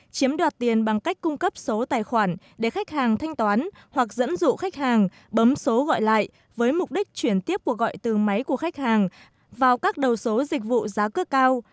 chiếm đoạt tiền bằng cách cung cấp số tài khoản để khách hàng thanh toán hoặc dẫn dụ khách hàng bấm số gọi lại với mục đích chuyển tiếp cuộc gọi từ máy của khách hàng vào các đầu số dịch vụ giá cước cao